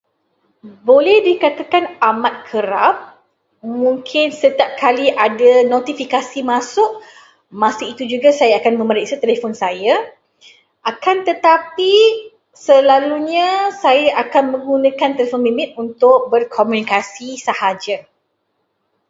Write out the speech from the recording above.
Boleh dikatakan amat kerap. Mungkin setiap kali ada notifikasi masuk, masa itu juga saya akan memeriksa telefon saya. Akan tetapi, selalunya saya akan menggunakan telefon bimbit untuk berkomunikasi sahaja.